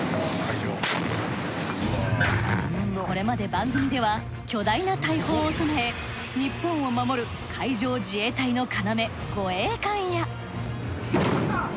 これまで番組では巨大な大砲を備え日本を守る海上自衛隊の要護衛艦や。